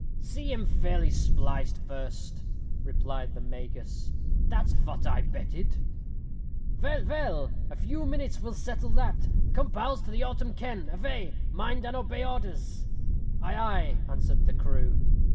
"See 'em fairly spliced first," replied the Magus; "that's vot I betted." "Vell, vell, a few minutes will settle that. Come, pals, to the autem ken. Avay. Mind and obey orders." "Ay, ay," answered the crew.